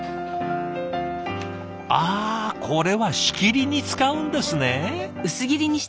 あこれは仕切りに使うんですね！